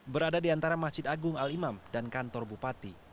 berada di antara masjid agung al imam dan kantor bupati